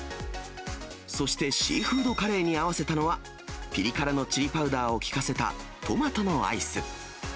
そしてシーフードカレーに合わせたのは、ぴり辛のチリパウダーを効かせたトマトのアイス。